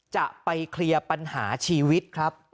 จะไปเคลียร์ปัญหาชีวิตครับ